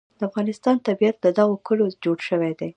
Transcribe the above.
د افغانستان طبیعت له دغو کلیو جوړ شوی دی.